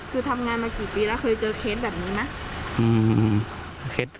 คือทำงานมากี่ปีแล้วเคยเจอเคสแบบนี้ไหม